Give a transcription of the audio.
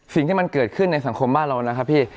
สิ่งที่มันเกิดขึ้นในสังคมบ้านเรานะครับพี่